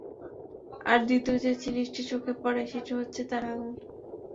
আর দ্বিতীয় যে জিনিসটি চোখে পড়ে, সেটি হচ্ছে তার আঙ্গুল।